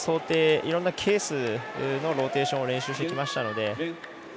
いろんなケースのローテーションを練習してきましたので。